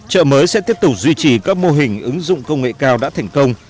chợ mới sẽ tiếp tục duy trì các mô hình ứng dụng công nghệ cao đã thành công